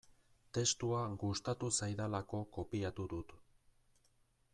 Testua gustatu zaidalako kopiatu dut.